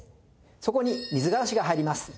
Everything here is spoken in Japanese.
そこに水辛子が入ります。